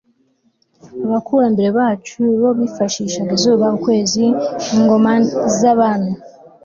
abakurambere bacu bo bifashishaga izuba, ukwezi, ingoma z'abami